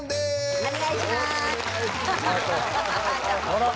お願いします。